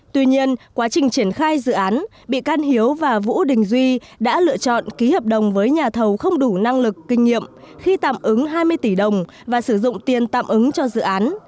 tuy nhiên quá trình triển khai dự án bị can hiếu và vũ đình duy đã lựa chọn ký hợp đồng với nhà thầu không đủ năng lực kinh nghiệm khi tạm ứng hai mươi tỷ đồng và sử dụng tiền tạm ứng cho dự án